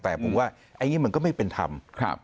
แต่ผมว่าอันนี้มันก็ไม่เป็นธรรม